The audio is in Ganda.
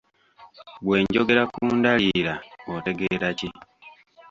Bwe njogera ku ndaliira otegeera ki?